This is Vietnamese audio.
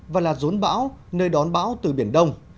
và là rốn bão nơi đón bão từ biển đông